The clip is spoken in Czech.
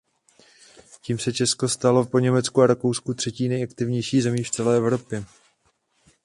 Tím se Česko stalo po Německu a Rakousku třetí nejaktivnější zemí v celé Evropě.